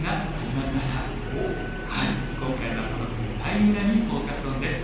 今回はその舞台裏にフォーカス・オンです。